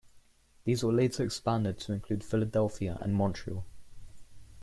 These were later expanded to include Philadelphia and Montreal.